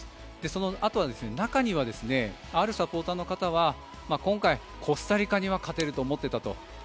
そのあとは中にはあるサポーターの方は今回、コスタリカには勝てると思っていたと。